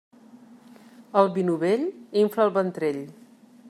El vi novell infla el ventrell.